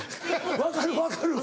分かる分かる。